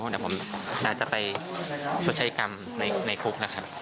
เนี้ยผมจะไปศักดิ์แรงกรรมในคุกน่ะครับ